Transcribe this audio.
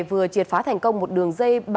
vừa triệt phá thành công một đường dây